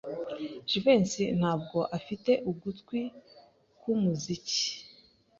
Jivency ntabwo afite ugutwi kwumuziki.